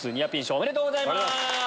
ありがとうございます。